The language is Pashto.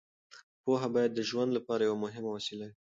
پوهه باید د ژوند لپاره یوه مهمه وسیله وي.